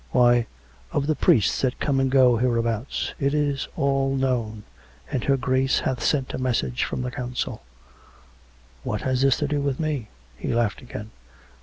" Why, of the priests that come and go hereabouts ! It 212 COME RACK! COME ROPE! is all known; and her Grace hath sent a message from the Council " "What has this to do with me?" He laughed again.